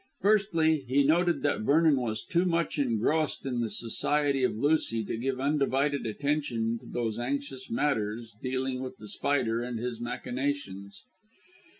Firstly, he noted that Vernon was too much engrossed in the society of Lucy to give undivided attention to those anxious matters dealing with The Spider and his machinations.